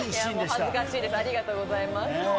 恥ずかしいです、ありがとうございます。